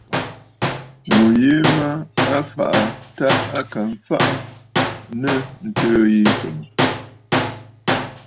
Ŋù yìi mə a fàꞌà aa tâ à ka mfaꞌa nɨ a fa aà.